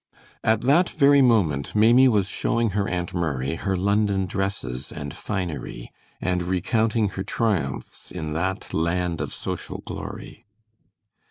At that very moment Maimie was showing her Aunt Murray her London dresses and finery, and recounting her triumphs in that land of social glory.